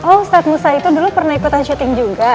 oh statsa musa itu dulu pernah ikutan shooting juga